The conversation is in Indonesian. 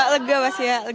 lega mas ya